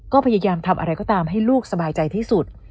ก็พยายามทำอะไรก็ตามให้ลูกสบายใจที่สุด